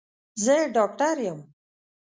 زه ډاکټر یم